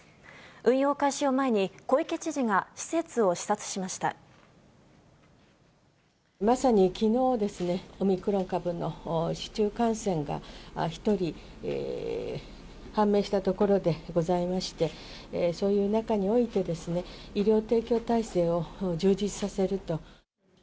運用開始を前に、小池知事が施設まさにきのうですね、オミクロン株の市中感染が１人判明したところでございまして、そういう中においてですね、医療提供体制を充実させると。